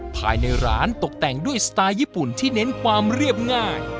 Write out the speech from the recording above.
ภายในร้านตกแต่งด้วยสไตล์ญี่ปุ่นที่เน้นความเรียบง่าย